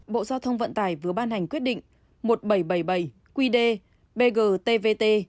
bộ giao thông vận tải vừa ban hành quyết định một nghìn bảy trăm bảy mươi bảy qd bgtvt